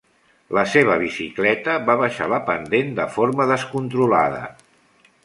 La seva bicicleta va baixar la pendent de forma descontrolada.